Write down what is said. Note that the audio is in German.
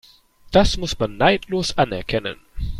Das muss man neidlos anerkennen.